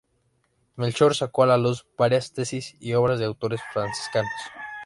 Melchor sacó a la luz varias tesis y obras de autores franciscanos.